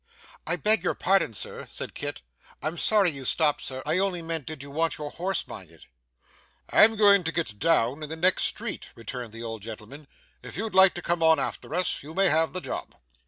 'I beg your pardon, sir,' said Kit. 'I'm sorry you stopped, sir. I only meant did you want your horse minded.' 'I'm going to get down in the next street,' returned the old gentleman. 'If you like to come on after us, you may have the job.